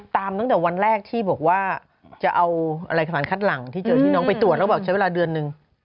ตั้งแต่วันแรกที่บอกว่าจะเอาอะไรสารคัดหลังที่เจอที่น้องไปตรวจแล้วบอกใช้เวลาเดือนนึง